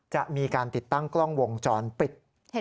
จะมีการติดตั้งกล้องวงจรปิด